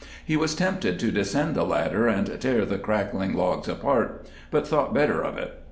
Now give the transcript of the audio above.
He was tempted to descend the ladder and tear the crackling logs apart, but thought better of it.